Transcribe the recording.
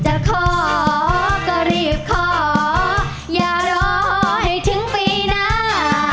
จะขอก็รีบขออย่ารอให้ถึงปีหน้า